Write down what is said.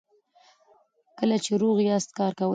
کله چې روغ یاست کار کولی شئ.